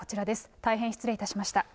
大変失礼いたしました。